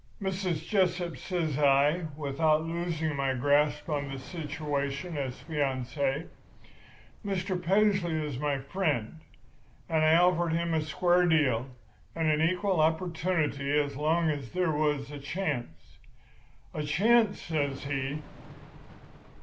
"'Mrs. Jessup,' says I, without losing my grasp on the situation as fiancé, 'Mr. Paisley is my friend, and I offered him a square deal and a equal opportunity as long as there was a chance.' "'A chance!' says she.